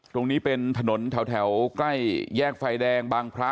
ตรงนี้เป็นถนนแถวใกล้แยกไฟแดงบางพระ